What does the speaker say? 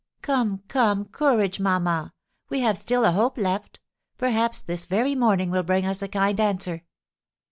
"Come, come, courage, mamma; we have still a hope left. Perhaps this very morning will bring us a kind answer."